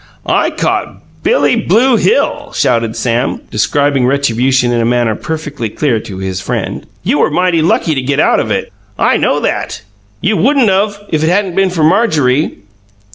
"I caught Billy Blue Hill!" shouted Sam, describing retribution in a manner perfectly clear to his friend. "You were mighty lucky to get out of it." "I know that!" "You wouldn't of, if it hadn't been for Marjorie."